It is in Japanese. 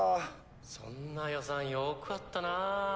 そんな予算よくあったなぁ。